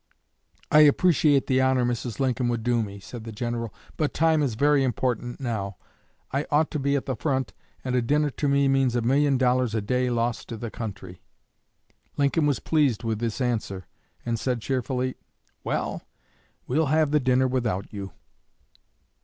"I appreciate the honor Mrs. Lincoln would do me," said the General, "but time is very important now. I ought to be at the front, and a dinner to me means a million dollars a day lost to the country." Lincoln was pleased with this answer, and said cheerfully, "Well, we'll have the dinner without you."